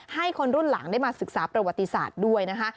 ให้คนรุ่นหลังได้มาศึกษาประวัติศาสตร์ด้วยนะคะ